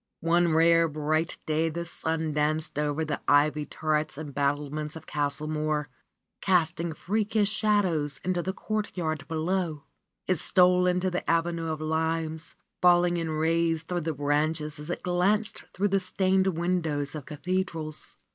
One rare, bright day the sun danced over the ivied turrets and battlements of Castle Mohr, casting freakish shadows into the courtyard below. It stole into the avenue of limes, falling in rays through the branches as it glanced through the stained windows of cathedrals.